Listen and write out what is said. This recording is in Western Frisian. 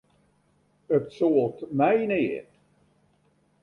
It soalt my neat.